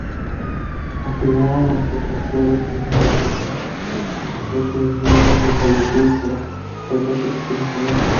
Afirmó que "Nuestros empleados siguieron los procedimientos establecidos para tratar situaciones como esta.